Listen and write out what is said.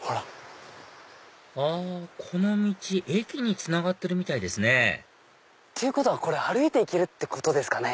あこの道駅につながってるみたいですねっていうことは歩いて行けるってことですかね。